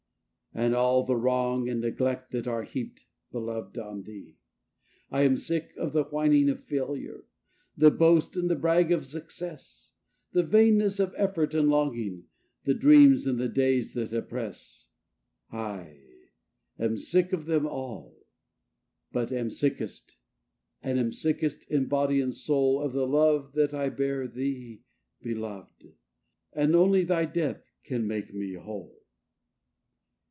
And all the wrong and neglect that are heaped beloved, on thee! I am sick of the whining of failure; the boast and the brag of Success; The vainness of effort and longing; the dreams and the days that oppress: I am sick of them all; but am sickest, am sickest in body and soul, Of the love that I bear thee, beloved! and only thy death can make whole.